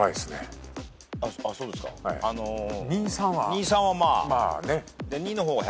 ２３はまあね。